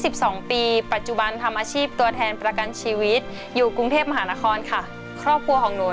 ตอนนี้เพลงที่๑นะครับถ้าร้องได้รับไปเลยนะฮะ